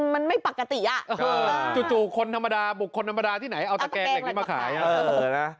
มันไม่ปกติอ่ะจู่คนธรรมดาบุคคลธรรมดาที่ไหนเอาตะแกงเหล็กนี้มาขาย